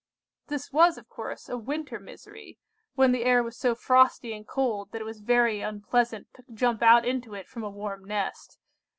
This was, of course, a winter misery, when the air was so frosty and cold that it was very unpleasant to jump out into it from a warm nest.